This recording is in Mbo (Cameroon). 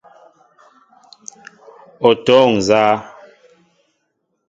O toóŋ nzá ?